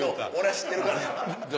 「知ってるから」。